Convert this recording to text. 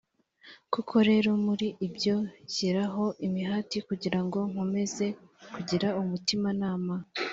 koko rero muri ibyo nshyiraho imihati kugira ngo nkomeze kugira umutimanama